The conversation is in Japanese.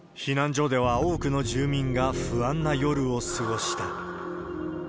避難所では多くの住民が不安な夜を過ごした。